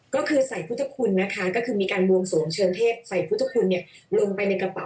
ก็คือใส่พุทธคุณนะคะก็คือมีการบวงสวงเชิงเทพใส่พุทธคุณเนี่ย